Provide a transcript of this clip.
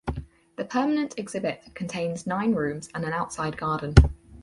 The permanent exhibit contains nine rooms and an outside garden.